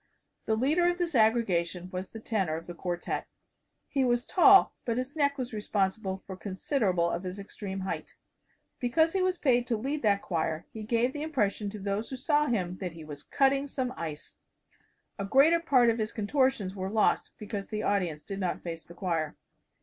The leader of this aggregation was the tenor of the quartette. He was tall, but his neck was responsible for considerable of his extreme height. Because he was paid to lead that choir he gave the impression to those who saw him that he was cutting some ice. A greater part of his contortions were lost because the audience did not face the choir.